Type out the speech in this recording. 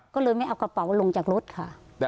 ก็เลยไม่เอากระเป๋าลงจากรถค่ะ